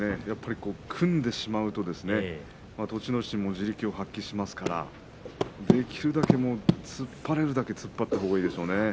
やっぱり組んでしまうと栃ノ心も地力を発揮しますからできるだけ突っ張れるだけ突っ張ったほうがいいでしょうね。